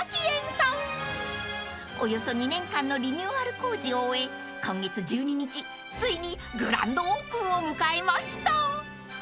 ［およそ２年間のリニューアル工事を終え今月１２日ついにグランドオープンを迎えました］